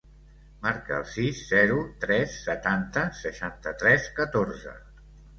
Marca el sis, zero, tres, setanta, seixanta-tres, catorze.